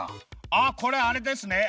あっこれあれですね。